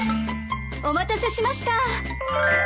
お待たせしました。